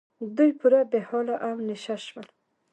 دوی پوره بې حاله او نشه شول.